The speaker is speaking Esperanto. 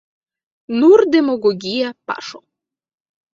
Nur demagogia paŝo.